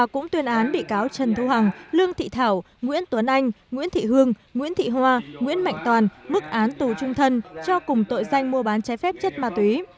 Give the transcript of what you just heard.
các bị cáo trần thu hằng lương thị thảo nguyễn tuấn anh nguyễn thị hương nguyễn thị hoa nguyễn mạnh toàn bức án tù trung thân cho cùng tội danh mua bán trái phép chất ma túy